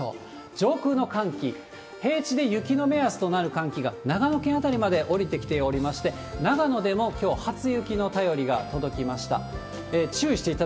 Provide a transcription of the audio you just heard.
上空の寒気、平地で雪の目安となる寒気が、長野県辺りまで下りてきておりまして、長野でも、きょう初雪の便りが届きました。